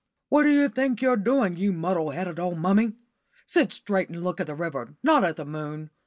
"What d' you think you're doing, you muddle headed old mummy? Sit straight and look at the river, not at the moon.